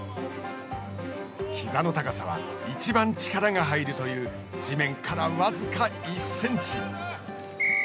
ひざの高さはいちばん力が入るという地面から僅か１センチ。